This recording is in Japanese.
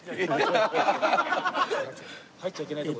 入っちゃいけないとこ。